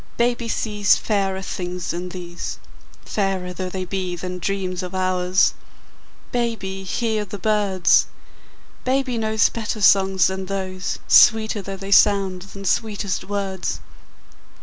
Baby sees Fairer things than these, Fairer though they be than dreams of ours. Baby, hear the birds! Baby knows Better songs than those, Sweeter though they sound than sweetest words.